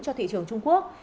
cho thị trường trung quốc